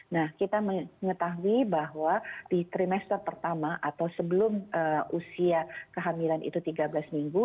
nah kita mengetahui bahwa di trimester pertama atau sebelum usia kehamilan itu tiga belas minggu